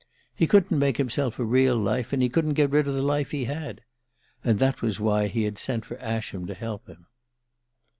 He couldn't make himself a real life, and he couldn't get rid of the life he had. And that was why he had sent for Ascham to help him...